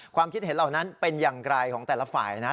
ความคิดเห็นเหล่านั้นเป็นอย่างไรของแต่ละฝ่ายนะ